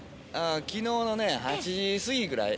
昨日のね８時過ぎくらい。